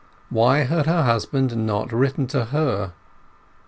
Why had her husband not written to her?